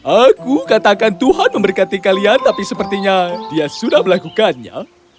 aku katakan tuhan memberkati kalian tapi sepertinya dia sudah melakukannya